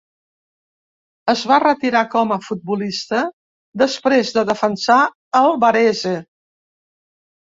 Es va retirar com a futbolista després de defensar el Varese.